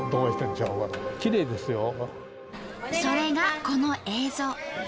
それがこの映像。